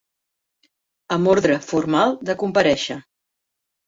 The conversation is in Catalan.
Amb ordre formal de comparèixer.